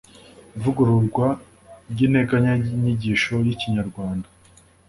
ivugururwa ry’integanyanyigisho y’ikinyarwanda